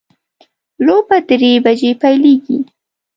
لوبه درې بجې پیلیږي